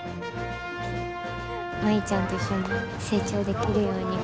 舞ちゃんと一緒に成長できるように。